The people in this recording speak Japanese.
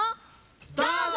どうぞ！